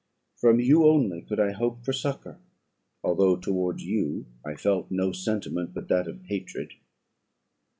From you only could I hope for succour, although towards you I felt no sentiment but that of hatred.